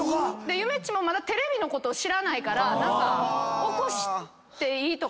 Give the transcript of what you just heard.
ゆめっちもまだテレビのこと知らないから起こしていいとか。